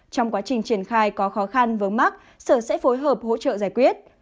trong quá trình triển khai có khó khăn với mắc sở sẽ phối hợp hỗ trợ giải quyết